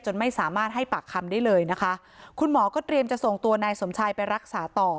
ไม่สามารถให้ปากคำได้เลยนะคะคุณหมอก็เตรียมจะส่งตัวนายสมชายไปรักษาต่อ